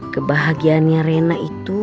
kebahagiaannya rena itu